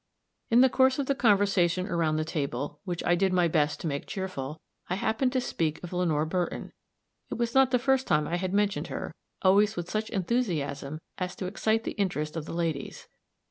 In the course of the conversation around the table, which I did my best to make cheerful, I happened to speak of Lenore Burton. It was not the first time I had mentioned her, always with such enthusiasm as to excite the interest of the ladies.